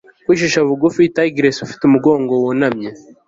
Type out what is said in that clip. Kwicisha bugufi tigress ufite umugongo wunamye